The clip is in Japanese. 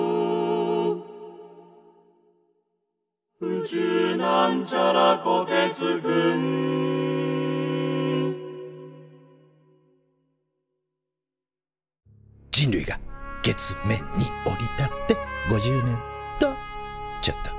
「宇宙」人類が月面に降り立って５０年とちょっと。